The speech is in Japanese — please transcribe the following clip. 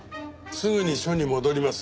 すぐに署に戻ります。